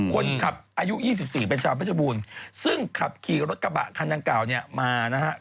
คนขับอายุ๒๔เป็นชาวเพชรบูรณ์ซึ่งขับขี่รถกระบะคันดังกล่าวเนี่ยมานะฮะ